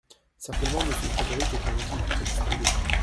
Certainement Monsieur Frédéric est très gentil, très distingué…